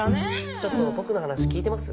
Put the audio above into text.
ちょっと僕の話聞いてます？